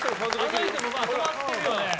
あの人も止まってるよね。